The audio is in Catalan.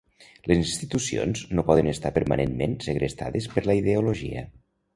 Les institucions no poden estar permanentment segrestades per la ideologia